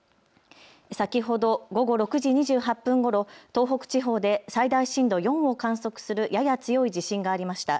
先ほど午後６時２８分ごろ、東北地方で最大震度４を観測するやや強い地震がありました。